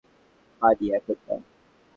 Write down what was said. বানি, এখন না।